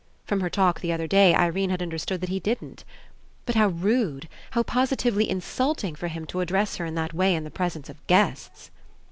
From her talk the other day Irene had understood that he didn't. But how rude, how positively Insult ing, for him to address her in that way in the presence of guests